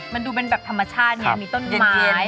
มันดูเป็นแบบธรรมชาติไงมีต้นไม้